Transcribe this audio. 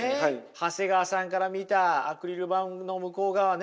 長谷川さんから見たアクリル板の向こう側ね